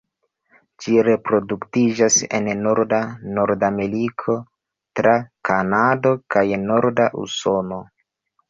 Ĝi reproduktiĝas en norda Nordameriko tra Kanado kaj norda Usono.